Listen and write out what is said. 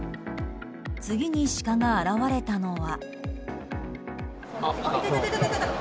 次にシカが現れたのは。